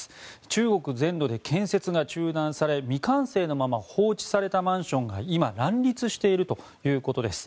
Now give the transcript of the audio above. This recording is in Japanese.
中国全土で建設が中断され未完成のまま放置されたマンションが今、乱立しているということです。